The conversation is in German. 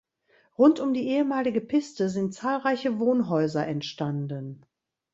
Rund um die ehemalige Piste sind zahlreiche Wohnhäuser entstanden.